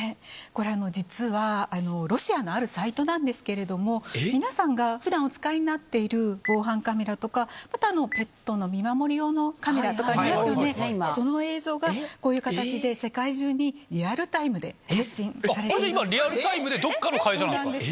これ実は、ロシアのあるサイトなんですけれども、皆さんがふだんお使いになっている防犯カメラとか、また、ペットの見守り用のカメラとかありますよね、その映像が、こういう形で世界中にリアルタイムで発信されているんです。